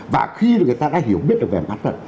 và khi người ta đã hiểu biết được về bắt luật